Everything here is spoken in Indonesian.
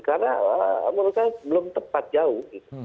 karena menurut saya belum tepat jauh